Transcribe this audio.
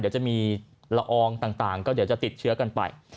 เดี๋ยวจะมีละอองต่างก็เดี๋ยวจะติดเชื้อกันไป